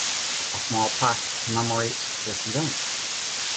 A small plaque commemorates this event.